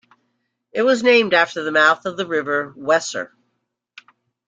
It was named after the mouth of the river Weser.